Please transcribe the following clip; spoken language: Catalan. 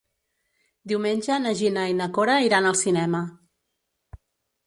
Diumenge na Gina i na Cora iran al cinema.